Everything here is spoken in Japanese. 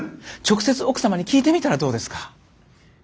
直接奥様に聞いてみたらどうですか。